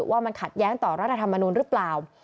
ว่ามันขัดแย้งต่อรัฐธรรมนูลหรือเปล่า